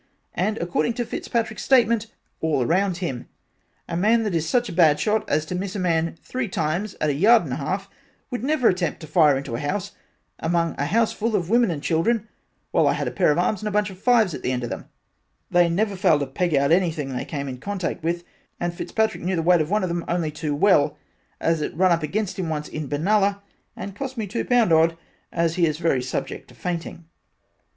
and according to Fitzpatricks statement all around him a man that is such a bad shot as to miss a man three times at a yard and a half would never attempt to fire into a house among a house full of women and children while I had a pairs of arms and bunch of fives on the end of them that never failed to peg out anything they came in contact with and Fitzpatrick knew the weight of one of them only too well, as it run against him once in Benalla, and cost me two pound odd as he is very subject to fainting.